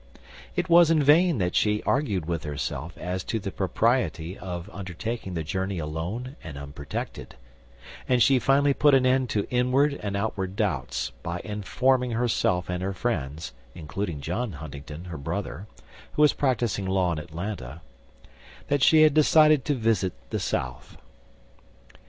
It was in vain that she argued with herself as to the propriety of undertaking the journey alone and unprotected, and she finally put an end to inward and outward doubts by informing herself and her friends, including John Huntingdon, her brother, who was practicing law in Atlanta, that she had decided to visit the South.